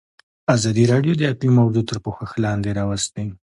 ازادي راډیو د اقلیم موضوع تر پوښښ لاندې راوستې.